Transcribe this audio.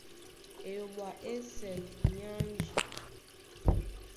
Eyoɓo á ésɛl é anji.